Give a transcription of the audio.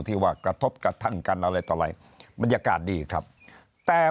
ที่ว่ากระทบกระทั่งกันอะไรต่ออะไรบรรยากาศดีครับแต่